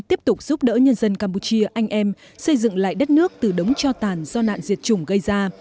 tiếp tục giúp đỡ nhân dân campuchia anh em xây dựng lại đất nước từ đống cho tàn do nạn diệt chủng gây ra